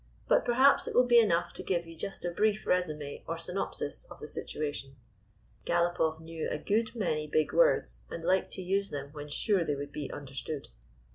But perhaps it will be enough to give you just a brief resume or synopsis of the situation." Galopoff knew a good many big words, and liked to use them when sure they would be un derstood.